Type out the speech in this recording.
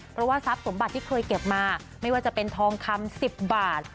เพราะว่าทรัพย์สมบัติที่เคยเก็บมาไม่ว่าจะเป็นทองคำ๑๐บาท